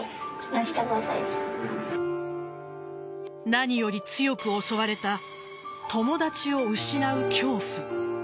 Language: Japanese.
何より、強く襲われた友達を失う恐怖。